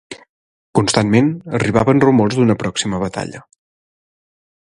Constantment arribaven rumors d'una pròxima batallar